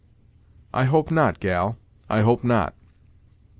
"I hope not, gal I hope not.